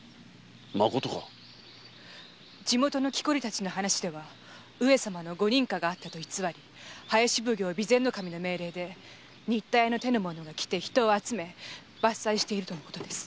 まことか地元の樵たちの話では上様のご認可があったと偽り林奉行・備前守の命令で新田屋の手の者が来て人を集め伐採しているとのことです。